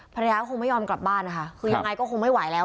ภรรยาก็คงไม่ยอมกลับบ้านนะคะคือยังไงก็คงไม่ไหวแล้ว